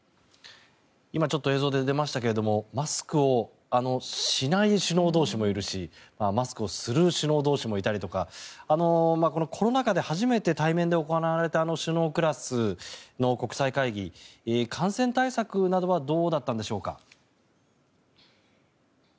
今、ちょっと映像で出ましたがマスクをしない首脳同士もいるしマスクをする首脳同士もいたりとかコロナ禍で初めて対面で行われた首脳クラスの国際会議感染対策などはどうだったんでしょうか？